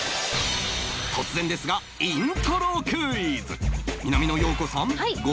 突然ですがイントロクイズ！